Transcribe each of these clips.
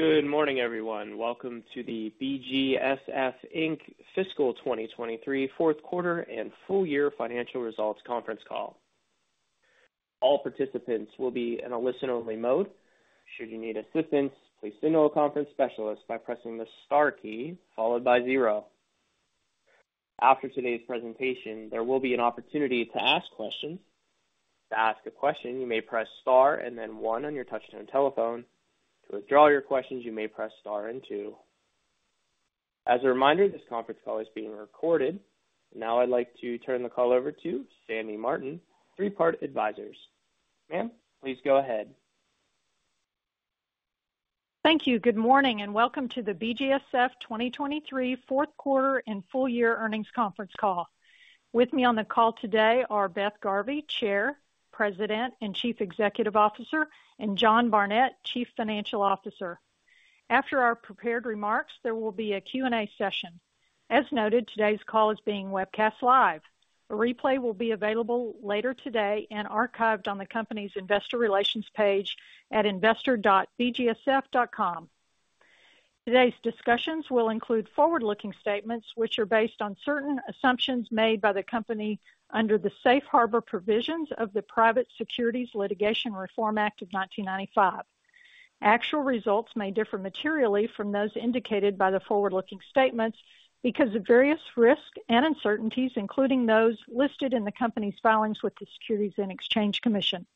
Good morning, everyone. Welcome to the BGSF, Inc. Fiscal 2023 Fourth Quarter and Full Year Financial Results Conference Call. All participants will be in a listen-only mode. Should you need assistance, please signal a conference specialist by pressing the Star key, followed by zero. After today's presentation, there will be an opportunity to ask questions. To ask a question, you may press Star and then one on your touch-tone telephone. To withdraw your questions, you may press Star and 2. As a reminder, this conference call is being recorded. Now I'd like to turn the call over to Sandy Martin, Three Part Advisors. Ma'am, please go ahead. Thank you. Good morning, and welcome to the BGSF 2023 Fourth Quarter and Full Year Earnings Conference Call. With me on the call today are Beth Garvey, Chair, President, and Chief Executive Officer, and John Barnett, Chief Financial Officer. After our prepared remarks, there will be a Q&A session. As noted, today's call is being webcast live. A replay will be available later today and archived on the company's investor relations page at investor.bgsf.com. Today's discussions will include forward-looking statements, which are based on certain assumptions made by the company under the Safe Harbor Provisions of the Private Securities Litigation Reform Act of 1995. Actual results may differ materially from those indicated by the forward-looking statements because of various risks and uncertainties, including those listed in the company's filings with the Securities and Exchange Commission.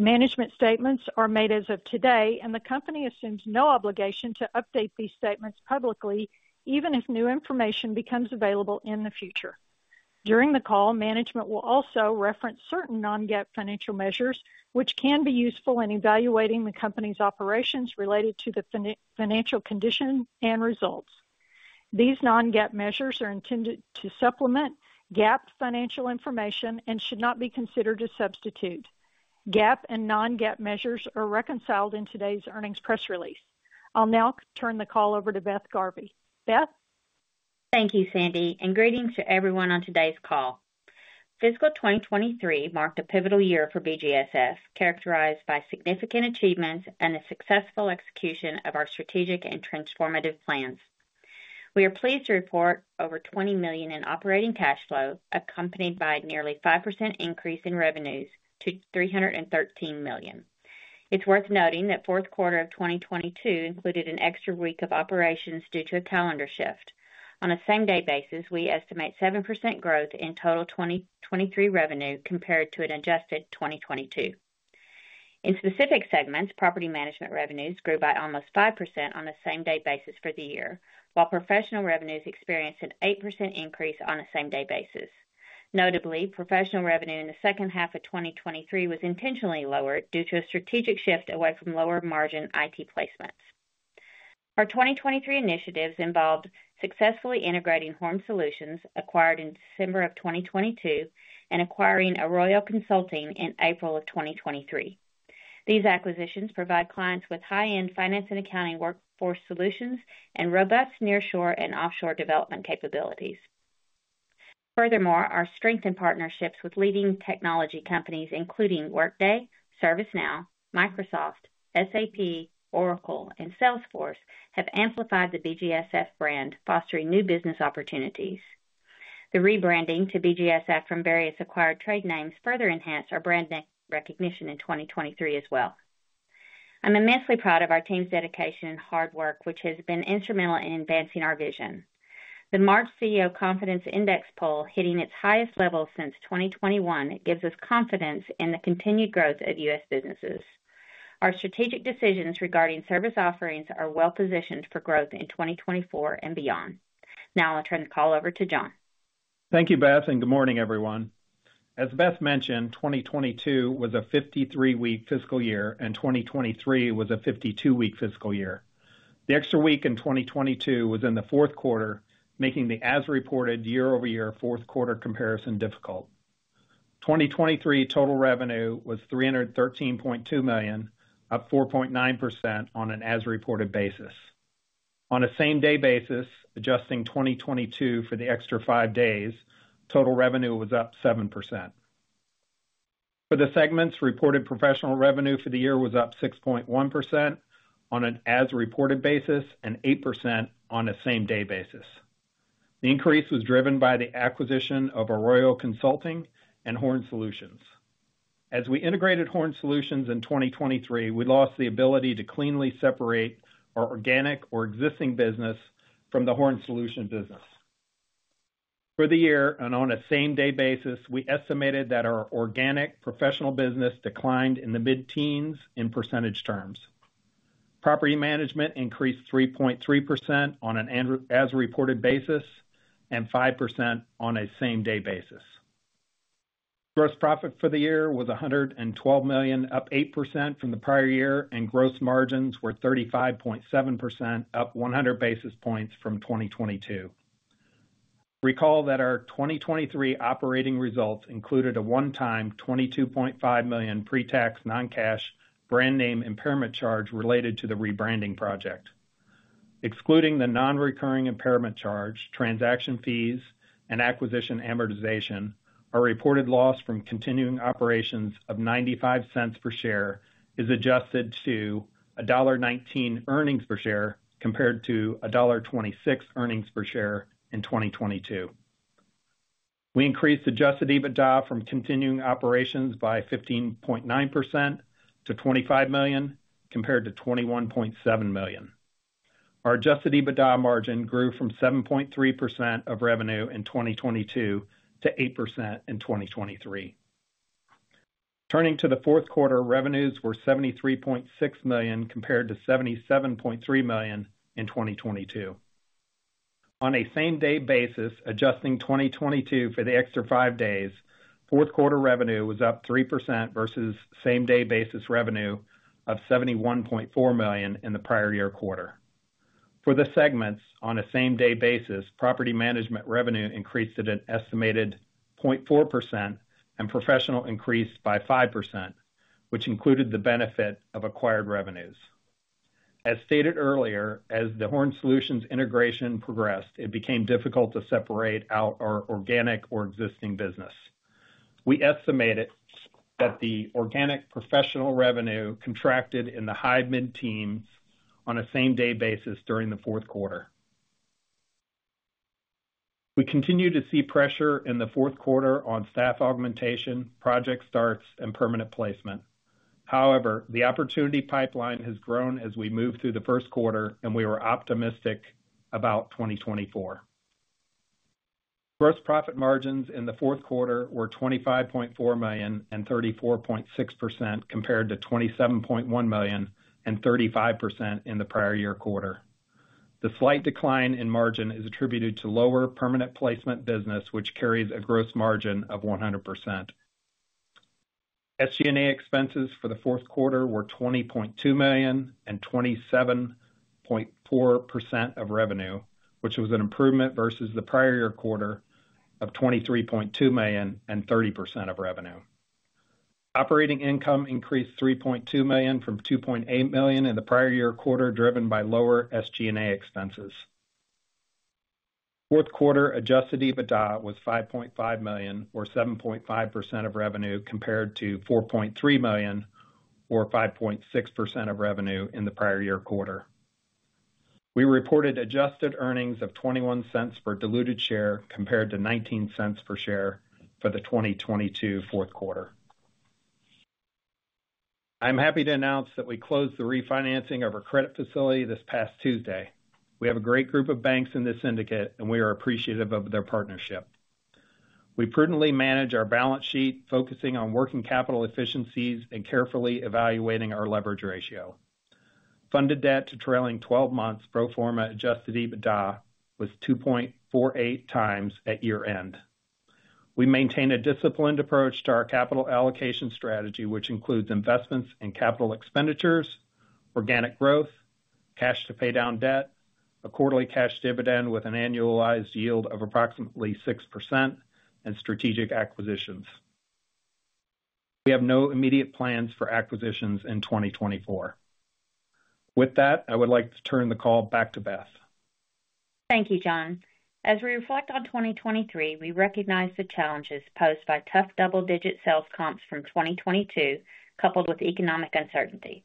Management statements are made as of today, and the company assumes no obligation to update these statements publicly, even if new information becomes available in the future. During the call, management will also reference certain non-GAAP financial measures, which can be useful in evaluating the company's operations related to the financial condition and results. These non-GAAP measures are intended to supplement GAAP financial information and should not be considered a substitute. GAAP and non-GAAP measures are reconciled in today's earnings press release. I'll now turn the call over to Beth Garvey. Beth? Thank you, Sandy, and greetings to everyone on today's call. Fiscal 2023 marked a pivotal year for BGSF, characterized by significant achievements and a successful execution of our strategic and transformative plans. We are pleased to report over $20 million in operating cash flow, accompanied by nearly 5% increase in revenues to $313 million. It's worth noting that fourth quarter of 2022 included an extra week of operations due to a calendar shift. On a same-day basis, we estimate 7% growth in total 2023 revenue compared to an adjusted 2022. In specific segments, property management revenues grew by almost 5% on a same-day basis for the year, while professional revenues experienced an 8% increase on a same-day basis. Notably, professional revenue in the second half of 2023 was intentionally lower due to a strategic shift away from lower-margin IT placements. Our 2023 initiatives involved successfully integrating Horn Solutions, acquired in December of 2022, and acquiring Arroyo Consulting in April of 2023. These acquisitions provide clients with high-end finance and accounting workforce solutions and robust nearshore and offshore development capabilities. Furthermore, our strength in partnerships with leading technology companies, including Workday, ServiceNow, Microsoft, SAP, Oracle, and Salesforce, have amplified the BGSF brand, fostering new business opportunities. The rebranding to BGSF from various acquired trade names further enhanced our brand name recognition in 2023 as well. I'm immensely proud of our team's dedication and hard work, which has been instrumental in advancing our vision. The March CEO Confidence Index poll, hitting its highest level since 2021, gives us confidence in the continued growth of U.S. businesses. Our strategic decisions regarding service offerings are well positioned for growth in 2024 and beyond. Now I'll turn the call over to John. Thank you, Beth, and good morning, everyone. As Beth mentioned, 2022 was a 53-week fiscal year, and 2023 was a 52-week fiscal year. The extra week in 2022 was in the fourth quarter, making the as-reported year-over-year fourth quarter comparison difficult. 2023 total revenue was $313.2 million, up 4.9% on an as-reported basis. On a same-day basis, adjusting 2022 for the extra 5 days, total revenue was up 7%. For the segments, reported professional revenue for the year was up 6.1% on an as-reported basis and 8% on a same-day basis. The increase was driven by the acquisition of Arroyo Consulting and Horn Solutions. As we integrated Horn Solutions in 2023, we lost the ability to cleanly separate our organic or existing business from the Horn Solutions business. For the year, and on a same-day basis, we estimated that our organic professional business declined in the mid-teens in percentage terms. Property management increased 3.3% on an as-reported basis and 5% on a same-day basis. Gross profit for the year was $112 million, up 8% from the prior year, and gross margins were 35.7%, up 100 basis points from 2022. Recall that our 2023 operating results included a one-time $22.5 million pre-tax, non-cash brand name impairment charge related to the rebranding project. Excluding the non-recurring impairment charge, transaction fees, and acquisition amortization, our reported loss from continuing operations of $0.95 per share is adjusted to $1.19 earnings per share, compared to $1.26 earnings per share in 2022. We increased adjusted EBITDA from continuing operations by 15.9% to $25 million, compared to $21.7 million. Our adjusted EBITDA margin grew from 7.3% of revenue in 2022 to 8% in 2023. Turning to the fourth quarter, revenues were $73.6 million, compared to $77.3 million in 2022. On a same-day basis, adjusting 2022 for the extra five days, fourth quarter revenue was up 3% versus same-day basis revenue of $71.4 million in the prior year quarter. For the segments, on a same-day basis, property management revenue increased at an estimated 0.4%, and professional increased by 5%, which included the benefit of acquired revenues. As stated earlier, as the Horn Solutions integration progressed, it became difficult to separate out our organic or existing business. We estimated that the organic professional revenue contracted in the high mid-teens on a same-day basis during the fourth quarter. We continued to see pressure in the fourth quarter on staff augmentation, project starts, and permanent placement. However, the opportunity pipeline has grown as we move through the first quarter, and we are optimistic about 2024. Gross profit margins in the fourth quarter were $25.4 million and 34.6%, compared to $27.1 million and 35% in the prior year quarter. The slight decline in margin is attributed to lower permanent placement business, which carries a gross margin of 100%. SG&A expenses for the fourth quarter were $20.2 million and 27.4% of revenue, which was an improvement versus the prior year quarter of $23.2 million and 30% of revenue. Operating income increased $3.2 million from $2.8 million in the prior year quarter, driven by lower SG&A expenses. Fourth quarter adjusted EBITDA was $5.5 million, or 7.5% of revenue, compared to $4.3 million, or 5.6% of revenue in the prior year quarter. We reported adjusted earnings of $0.21 per diluted share, compared to $0.19 per share for the 2022 fourth quarter. I'm happy to announce that we closed the refinancing of our credit facility this past Tuesday. We have a great group of banks in this syndicate, and we are appreciative of their partnership. We prudently manage our balance sheet, focusing on working capital efficiencies and carefully evaluating our leverage ratio. Funded debt to trailing twelve months pro forma adjusted EBITDA was 2.48x at year-end. We maintain a disciplined approach to our capital allocation strategy, which includes investments in capital expenditures, organic growth, cash to pay down debt, a quarterly cash dividend with an annualized yield of approximately 6%, and strategic acquisitions. We have no immediate plans for acquisitions in 2024. With that, I would like to turn the call back to Beth. Thank you, John. As we reflect on 2023, we recognize the challenges posed by tough double-digit sales comps from 2022, coupled with economic uncertainty.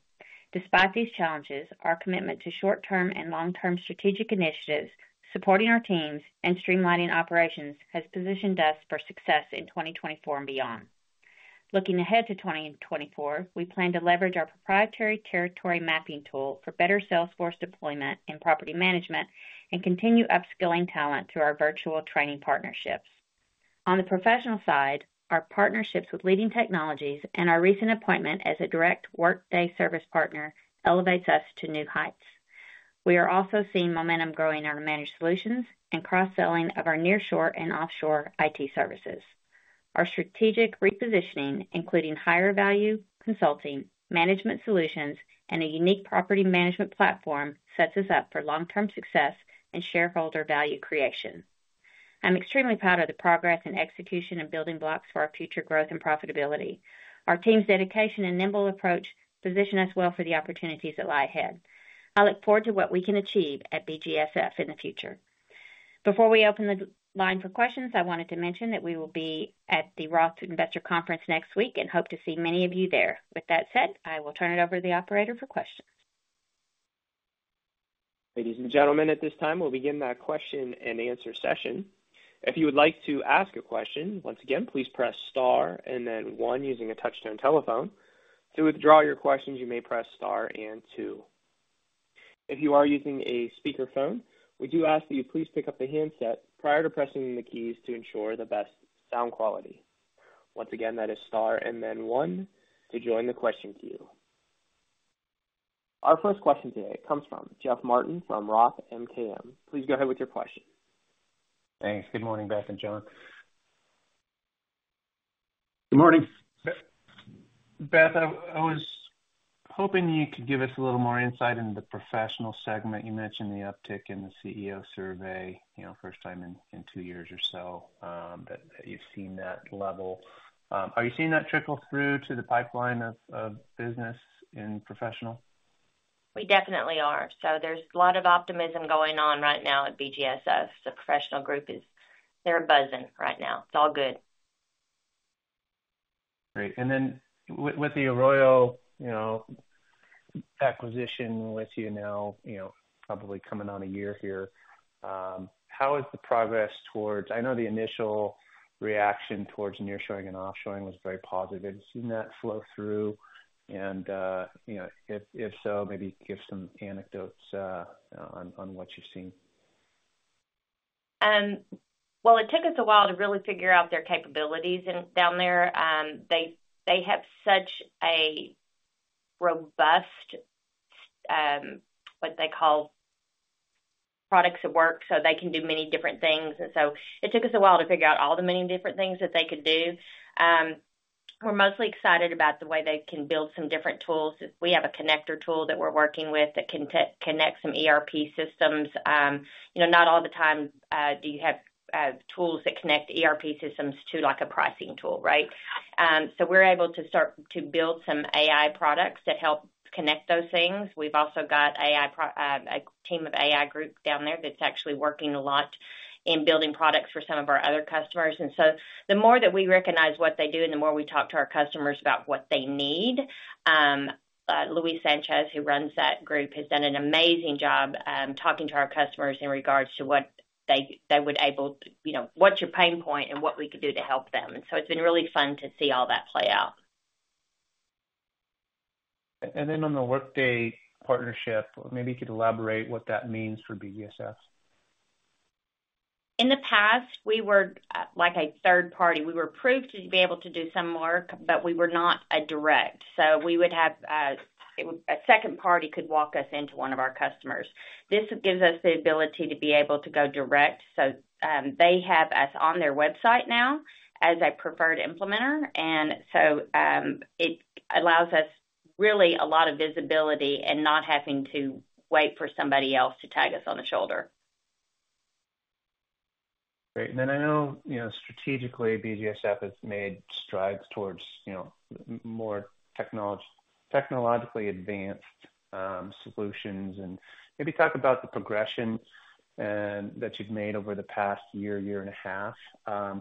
Despite these challenges, our commitment to short-term and long-term strategic initiatives, supporting our teams, and streamlining operations has positioned us for success in 2024 and beyond. Looking ahead to 2024, we plan to leverage our proprietary territory mapping tool for better sales force deployment and property management and continue upskilling talent through our virtual training partnerships. On the professional side, our partnerships with leading technologies and our recent appointment as a direct Workday service partner elevates us to new heights. We are also seeing momentum growing in our managed solutions and cross-selling of our nearshore and offshore IT services. Our strategic repositioning, including higher value consulting, management solutions, and a unique property management platform, sets us up for long-term success and shareholder value creation. I'm extremely proud of the progress and execution of building blocks for our future growth and profitability. Our team's dedication and nimble approach position us well for the opportunities that lie ahead. I look forward to what we can achieve at BGSF in the future. Before we open the line for questions, I wanted to mention that we will be at the Roth Investor Conference next week and hope to see many of you there. With that said, I will turn it over to the operator for questions. Ladies and gentlemen, at this time, we'll begin the question-and-answer session. If you would like to ask a question, once again, please press star and then one using a touch-tone telephone. To withdraw your questions, you may press star and two. If you are using a speakerphone, we do ask that you please pick up the handset prior to pressing the keys to ensure the best sound quality. Once again, that is star and then one to join the question queue. Our first question today comes from Jeff Martin from Roth MKM. Please go ahead with your question. Thanks. Good morning, Beth and John. Good morning. Beth, I was hoping you could give us a little more insight into the professional segment. You mentioned the uptick in the CEO survey, you know, first time in two years or so that you've seen that level. Are you seeing that trickle through to the pipeline of business in professional? ... We definitely are. So there's a lot of optimism going on right now at BGSF. The professional group is, they're buzzing right now. It's all good. Great. And then with, with the Arroyo, you know, acquisition with you now, you know, probably coming on a year here, how is the progress towards... I know the initial reaction towards nearshoring and offshoring was very positive. Has seen that flow through? And, you know, if, if so, maybe give some anecdotes, on, on what you've seen. Well, it took us a while to really figure out their capabilities in down there. They have such a robust what they call products at work, so they can do many different things. And so it took us a while to figure out all the many different things that they could do. We're mostly excited about the way they can build some different tools. We have a connector tool that we're working with that can connect some ERP systems. You know, not all the time do you have tools that connect ERP systems to, like, a pricing tool, right? So we're able to start to build some AI products that help connect those things. We've also got AI, a team of AI group down there that's actually working a lot in building products for some of our other customers. The more that we recognize what they do and the more we talk to our customers about what they need, Luis Sanchez, who runs that group, has done an amazing job, talking to our customers in regards to what they, they would able, you know, what's your pain point and what we could do to help them. It's been really fun to see all that play out. Then on the Workday partnership, maybe you could elaborate what that means for BGSF? In the past, we were like a third party. We were approved to be able to do some work, but we were not a direct. So we would have a second party could walk us into one of our customers. This gives us the ability to be able to go direct. So they have us on their website now as a preferred implementer, and so it allows us really a lot of visibility and not having to wait for somebody else to tag us on the shoulder. Great. And then I know, you know, strategically, BGSF has made strides towards, you know, more technologically advanced solutions. And maybe talk about the progression that you've made over the past year, year and a half,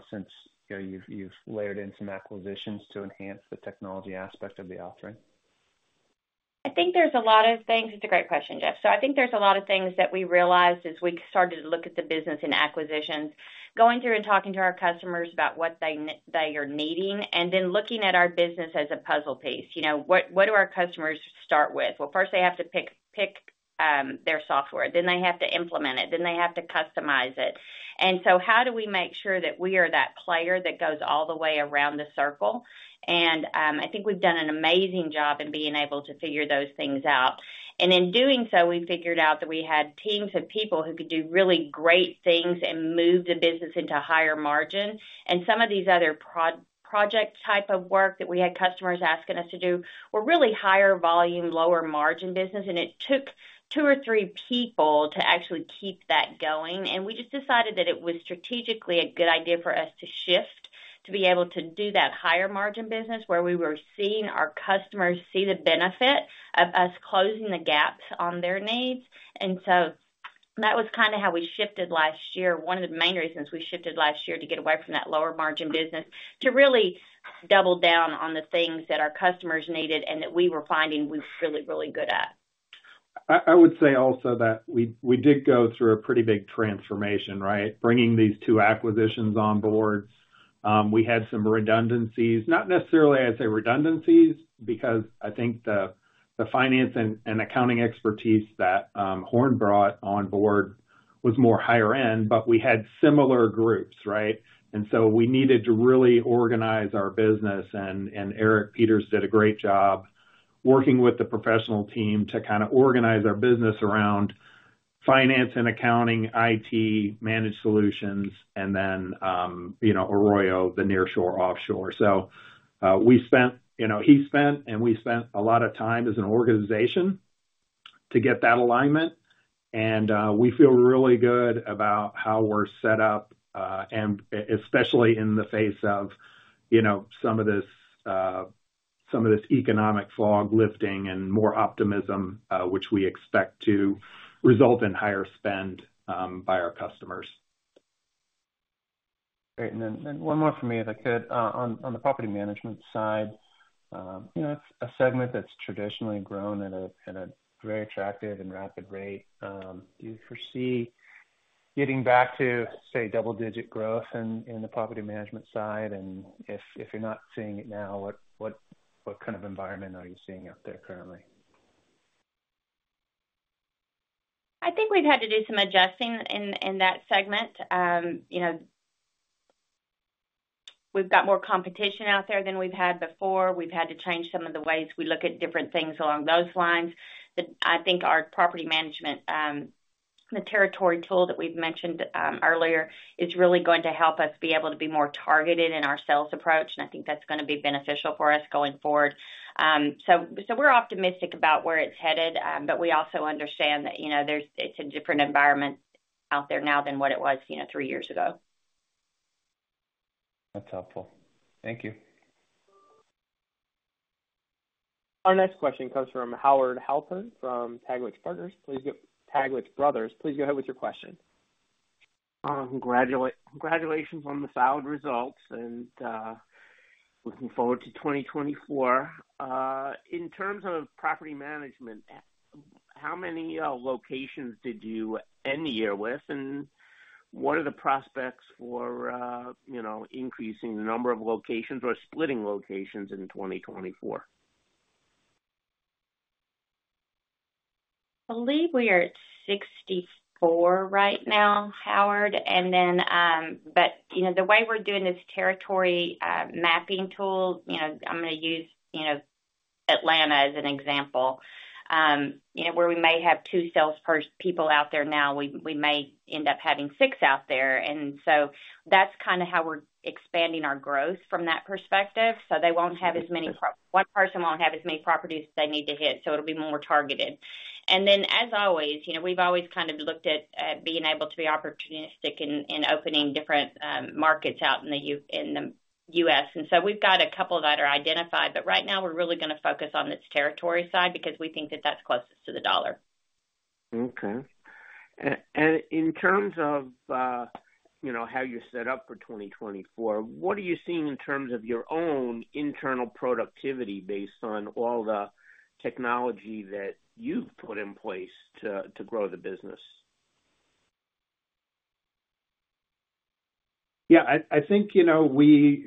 since, you know, you've layered in some acquisitions to enhance the technology aspect of the offering. I think there's a lot of things... It's a great question, Jeff. So I think there's a lot of things that we realized as we started to look at the business and acquisitions, going through and talking to our customers about what they are needing, and then looking at our business as a puzzle piece. You know, what do our customers start with? Well, first, they have to pick their software, then they have to implement it, then they have to customize it. And so how do we make sure that we are that player that goes all the way around the circle? And I think we've done an amazing job in being able to figure those things out. In doing so, we figured out that we had teams of people who could do really great things and move the business into higher margin. Some of these other project type of work that we had customers asking us to do were really higher volume, lower margin business, and it took two or three people to actually keep that going. We just decided that it was strategically a good idea for us to shift, to be able to do that higher margin business, where we were seeing our customers see the benefit of us closing the gaps on their needs. So that was kind of how we shifted last year. One of the main reasons we shifted last year to get away from that lower margin business, to really double down on the things that our customers needed and that we were finding we're really, really good at. I would say also that we did go through a pretty big transformation, right? Bringing these two acquisitions on board. We had some redundancies. Not necessarily, I'd say, redundancies, because I think the finance and accounting expertise that Horn brought on board was more higher end, but we had similar groups, right? And so we needed to really organize our business, and Eric Peters did a great job working with the professional team to kind of organize our business around finance and accounting, IT, managed solutions, and then, you know, Arroyo, the nearshore, offshore. So, we spent, you know, he spent, and we spent a lot of time as an organization to get that alignment, and we feel really good about how we're set up, and especially in the face of, you know, some of this, some of this economic fog lifting and more optimism, which we expect to result in higher spend by our customers. Great. And then one more for me, if I could, on the property management side. You know, it's a segment that's traditionally grown at a very attractive and rapid rate. Do you foresee getting back to, say, double-digit growth in the property management side? And if you're not seeing it now, what kind of environment are you seeing out there currently? I think we've had to do some adjusting in that segment. You know, we've got more competition out there than we've had before. We've had to change some of the ways we look at different things along those lines. But I think our property management, the territory tool that we've mentioned earlier, is really going to help us be able to be more targeted in our sales approach, and I think that's gonna be beneficial for us going forward. So we're optimistic about where it's headed, but we also understand that, you know, there's. It's a different environment out there now than what it was, you know, three years ago.... That's helpful. Thank you. Our next question comes from Howard Halpern from Taglich Brothers. Please go ahead with your question. Congratulations on the solid results, and looking forward to 2024. In terms of property management, how many locations did you end the year with? And what are the prospects for, you know, increasing the number of locations or splitting locations in 2024? I believe we are at 64 right now, Howard, and then, but, you know, the way we're doing this territory mapping tool, you know, I'm going to use, you know, Atlanta as an example. You know, where we may have two sales people out there now, we, we may end up having six out there. And so that's kind of how we're expanding our growth from that perspective. So they won't have as many. One person won't have as many properties as they need to hit, so it'll be more targeted. And then, as always, you know, we've always kind of looked at, at being able to be opportunistic in, in opening different, markets out in the U.S. And so we've got a couple that are identified, but right now we're really going to focus on this territory side because we think that that's closest to the dollar. Okay. And in terms of, you know, how you're set up for 2024, what are you seeing in terms of your own internal productivity based on all the technology that you've put in place to grow the business? Yeah, I think, you know, we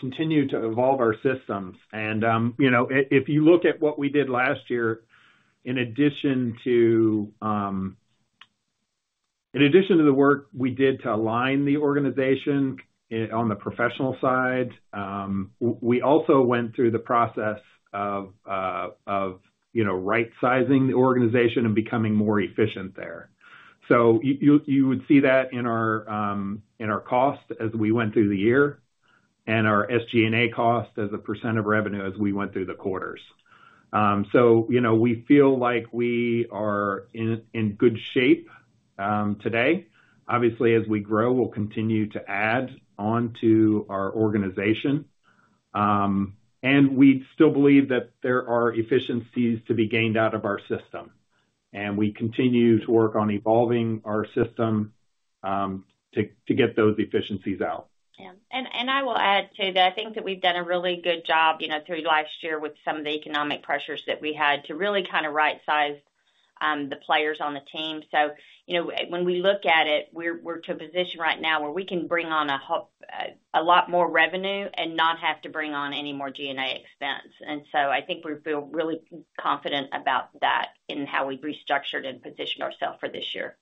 continue to evolve our systems. You know, if you look at what we did last year, in addition to the work we did to align the organization on the professional side, we also went through the process of you know, right-sizing the organization and becoming more efficient there. You would see that in our costs as we went through the year and our SG&A cost as a % of revenue as we went through the quarters. So, you know, we feel like we are in good shape today. Obviously, as we grow, we'll continue to add on to our organization. We still believe that there are efficiencies to be gained out of our system, and we continue to work on evolving our system to get those efficiencies out. Yeah. And I will add, too, that I think that we've done a really good job, you know, through last year with some of the economic pressures that we had to really kind of right-size the players on the team. So, you know, when we look at it, we're to a position right now where we can bring on a lot more revenue and not have to bring on any more G&A expense. And so I think we feel really confident about that in how we've restructured and positioned ourselves for this year.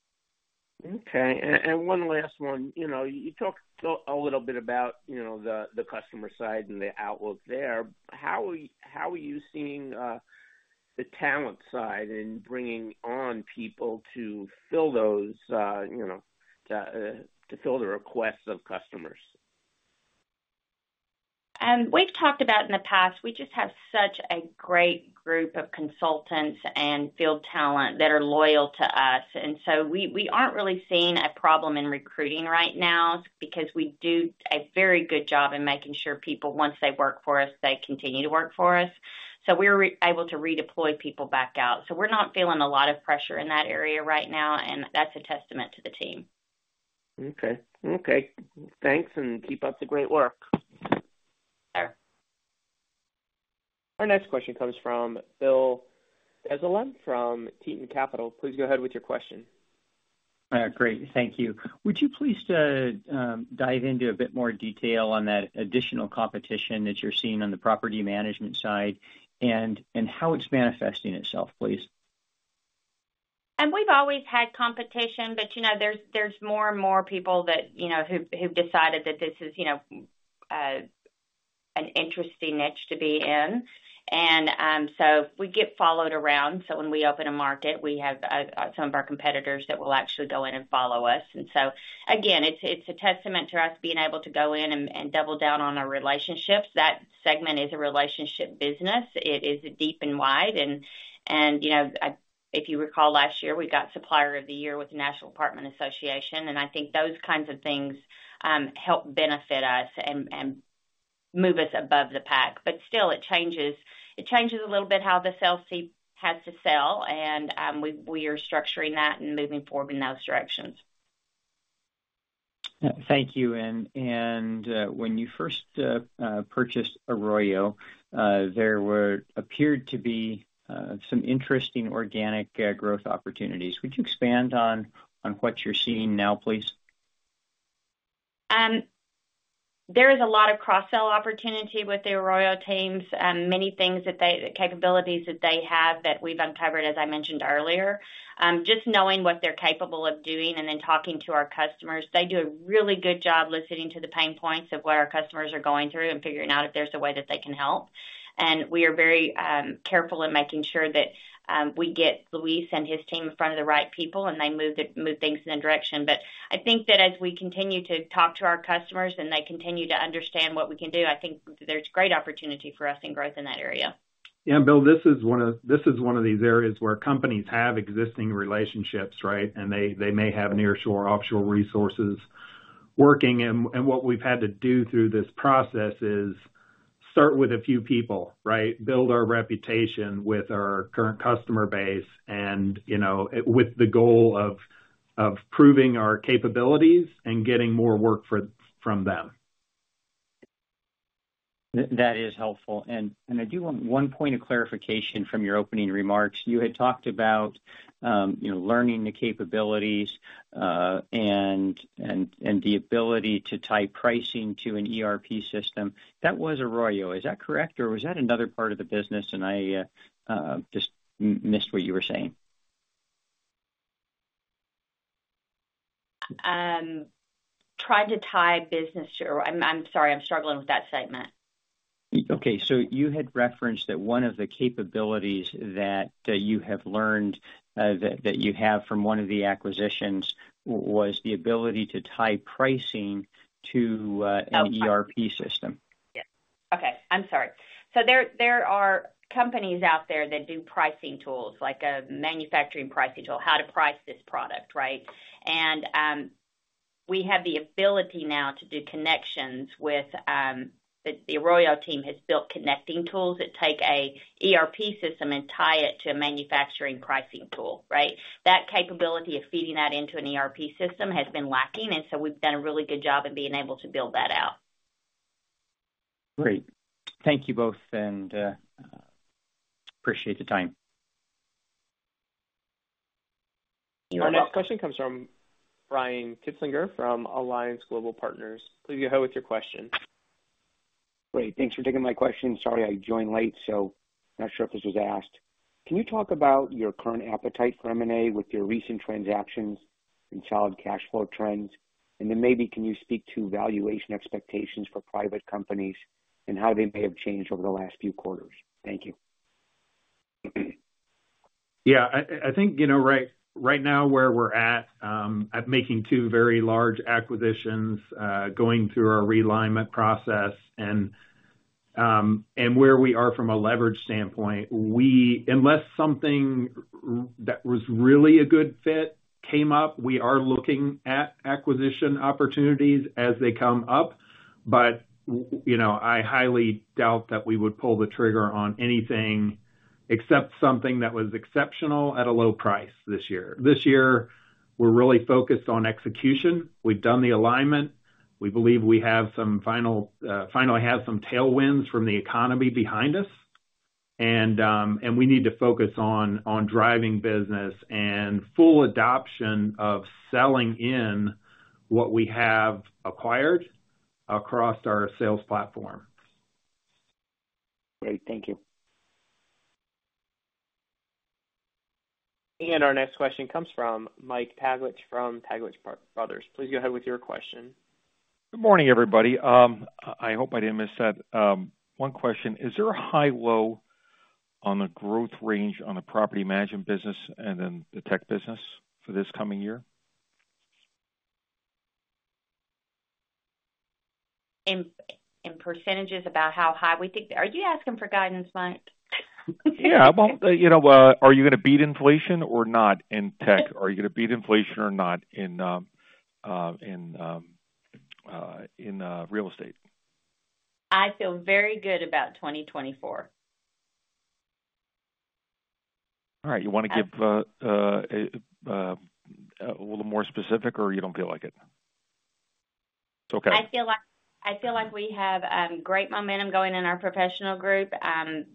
Okay. And one last one. You know, you talked a little bit about, you know, the customer side and the outlook there. How are you seeing the talent side in bringing on people to fill those, you know, to fill the requests of customers? We've talked about in the past, we just have such a great group of consultants and field talent that are loyal to us, and so we aren't really seeing a problem in recruiting right now because we do a very good job in making sure people, once they work for us, they continue to work for us. So we're really able to redeploy people back out. So we're not feeling a lot of pressure in that area right now, and that's a testament to the team. Okay. Okay, thanks, and keep up the great work. Sure. Our next question comes from Bill Dezellem from Tieton Capital. Please go ahead with your question. Great, thank you. Would you please dive into a bit more detail on that additional competition that you're seeing on the property management side, and how it's manifesting itself, please? We've always had competition, but, you know, there's more and more people that, you know, who, who've decided that this is, you know, an interesting niche to be in. And so we get followed around. So when we open a market, we have some of our competitors that will actually go in and follow us. And so, again, it's a testament to us being able to go in and double down on our relationships. That segment is a relationship business. It is deep and wide, and, you know, if you recall, last year, we got Supplier of the Year with National Apartment Association, and I think those kinds of things help benefit us and move us above the pack. But still, it changes, it changes a little bit how the sales team has to sell, and we, we are structuring that and moving forward in those directions. Thank you. And when you first purchased Arroyo, there appeared to be some interesting organic growth opportunities. Would you expand on what you're seeing now, please? There is a lot of cross-sell opportunity with the Arroyo teams, capabilities that they have that we've uncovered, as I mentioned earlier. Just knowing what they're capable of doing and then talking to our customers. They do a really good job listening to the pain points of what our customers are going through and figuring out if there's a way that they can help. And we are very careful in making sure that we get Luis and his team in front of the right people, and they move things in that direction. But I think that as we continue to talk to our customers and they continue to understand what we can do, I think there's great opportunity for us in growth in that area.... Yeah, Bill, this is one of, this is one of these areas where companies have existing relationships, right? And they, they may have nearshore or offshore resources working. And, and what we've had to do through this process is start with a few people, right? Build our reputation with our current customer base and, you know, with the goal of, of proving our capabilities and getting more work for—from them. That is helpful. And I do want one point of clarification from your opening remarks. You had talked about, you know, learning the capabilities, and the ability to tie pricing to an ERP system. That was Arroyo, is that correct? Or was that another part of the business, and I just missed what you were saying? Try to tie business to Arroyo. I'm sorry, I'm struggling with that statement. Okay. So you had referenced that one of the capabilities that you have learned that you have from one of the acquisitions was the ability to tie pricing to, Okay. an ERP system. Yeah. Okay, I'm sorry. So there are companies out there that do pricing tools, like a manufacturing pricing tool, how to price this product, right? And we have the ability now to do connections with the Arroyo team has built connecting tools that take an ERP system and tie it to a manufacturing pricing tool, right? That capability of feeding that into an ERP system has been lacking, and so we've done a really good job of being able to build that out. Great. Thank you both, and appreciate the time. Our next question comes from Brian Kinstlinger from Alliance Global Partners. Please go ahead with your question. Great. Thanks for taking my question. Sorry, I joined late, so not sure if this was asked. Can you talk about your current appetite for M&A with your recent transactions and solid cash flow trends? And then maybe, can you speak to valuation expectations for private companies and how they may have changed over the last few quarters? Thank you. Yeah, I think, you know, right now, where we're at, at making two very large acquisitions, going through our realignment process and, and where we are from a leverage standpoint, unless something that was really a good fit came up, we are looking at acquisition opportunities as they come up. But, you know, I highly doubt that we would pull the trigger on anything except something that was exceptional at a low price this year. This year, we're really focused on execution. We've done the alignment. We believe we finally have some tailwinds from the economy behind us. And we need to focus on driving business and full adoption of selling in what we have acquired across our sales platform. Great. Thank you. Our next question comes from Mike Taglich from Taglich Brothers. Please go ahead with your question. Good morning, everybody. I hope I didn't miss that. One question: Is there a high low on the growth range on the property management business and then the tech business for this coming year? In percentages about how high we think... Are you asking for guidance, Mike? Yeah, well, you know, are you going to beat inflation or not in tech? Are you going to beat inflation or not in real estate? I feel very good about 2024. All right. You want to give a little more specific, or you don't feel like it? It's okay. I feel like, I feel like we have great momentum going in our professional group.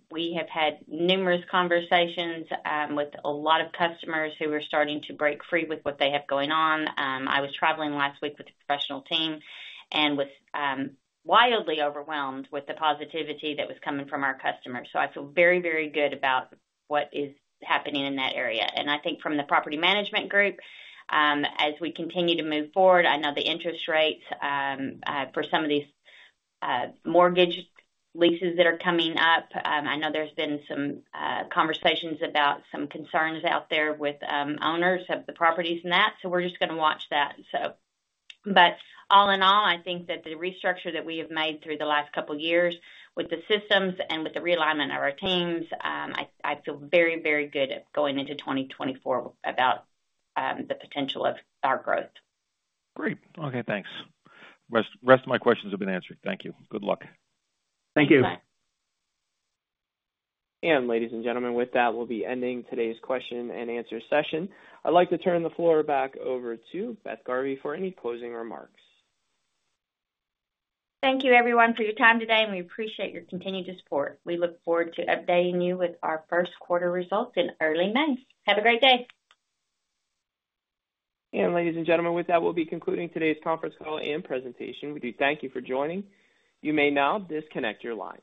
We have had numerous conversations with a lot of customers who are starting to break free with what they have going on. I was traveling last week with the professional team and was wildly overwhelmed with the positivity that was coming from our customers. So I feel very, very good about what is happening in that area. And I think from the property management group, as we continue to move forward, I know the interest rates for some of these mortgage leases that are coming up. I know there's been some conversations about some concerns out there with owners of the properties and that, so we're just going to watch that, so. But all in all, I think that the restructure that we have made through the last couple of years with the systems and with the realignment of our teams, I feel very, very good at going into 2024 about the potential of our growth. Great. Okay, thanks. Rest of my questions have been answered. Thank you. Good luck. Thank you. Bye-bye. Ladies and gentlemen, with that, we'll be ending today's question and answer session. I'd like to turn the floor back over to Beth Garvey for any closing remarks. Thank you, everyone, for your time today, and we appreciate your continued support. We look forward to updating you with our first quarter results in early May. Have a great day. Ladies and gentlemen, with that, we'll be concluding today's conference call and presentation. We do thank you for joining. You may now disconnect your line.